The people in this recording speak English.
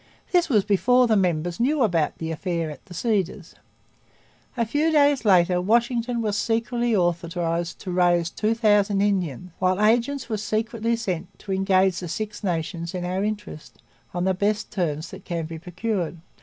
This was before the members knew about the Affair at the Cedars. A few days later Washington was secretly authorized to raise two thousand Indians; while agents were secretly sent 'to engage the Six Nations in our Interest, on the best terms that can be procured.'